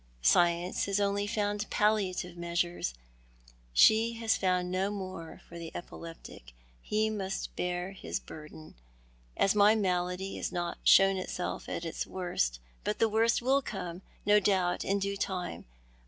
Science has only found palliative measures, she has found no more, for the epilei^tic. He must bear his burden. As yet my malady has not shown itself at its worst, but t!ic worst will come, no doubt, in due time.